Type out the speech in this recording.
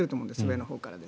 上のほうから。